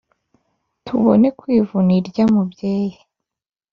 Tubone kwivuna irya mubyeyi.